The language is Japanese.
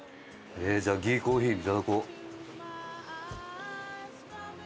じゃあギーコーヒーいただこう。